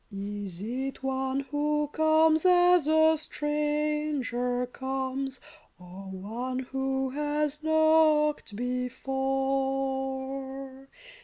Is it one who comes as a stranger comes, Or one who has knocked before